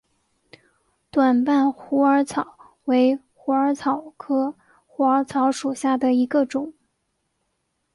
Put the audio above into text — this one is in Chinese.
短瓣虎耳草为虎耳草科虎耳草属下的一个种。